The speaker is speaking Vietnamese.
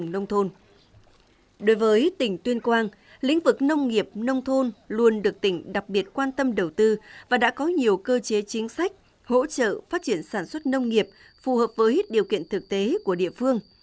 đối với tỉnh tuyên quang lĩnh vực nông nghiệp nông thôn luôn được tỉnh đặc biệt quan tâm đầu tư và đã có nhiều cơ chế chính sách hỗ trợ phát triển sản xuất nông nghiệp phù hợp với điều kiện thực tế của địa phương